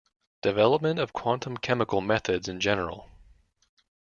Development of quantum-chemical methods in general.